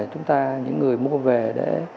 chúng ta những người mua về để